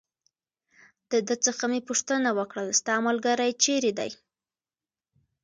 د ده څخه مې پوښتنه وکړل: ستا ملګری چېرې دی؟